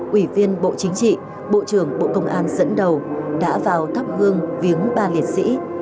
ủy viên bộ chính trị bộ trưởng bộ công an dẫn đầu đã vào thắp hương viếng ba liệt sĩ